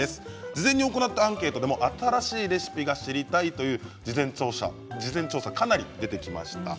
事前に行ったアンケートでも新しいレシピが知りたいという事前調査、かなり出てきました。